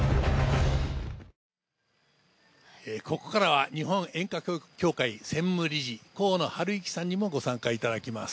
ここからは日本煙火協会、専務理事、河野晴行さんにもご参加いただきます。